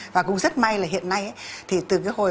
và cũng rất may là hiện nay thì từ cái hồi